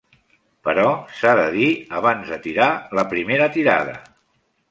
Però s'ha de dir abans de tirar la primera tirada.